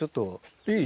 いい？